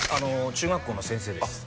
中学校の先生ですあっ